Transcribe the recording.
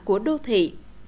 của đất nước